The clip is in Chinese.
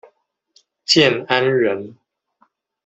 建安人。